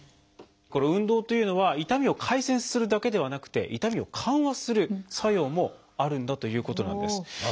この運動というのは痛みを改善するだけではなくて痛みを緩和する作用もあるんだということなんです。